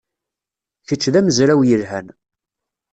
Kečč d amezraw yelhan.